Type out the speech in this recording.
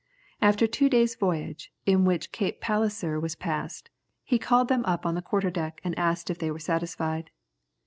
After two days' voyage, in which Cape Palliser was passed, he called them up on the quarter deck and asked if they were satisfied.